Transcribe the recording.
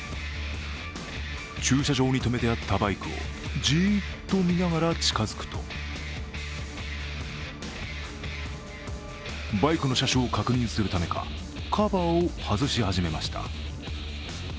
駐車場に止めてあったバイクをジーッと見ながら近づくとバイクの車種を確認するためかカバーを外し始めました。